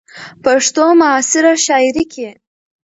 ،پښتو معاصره شاعرۍ کې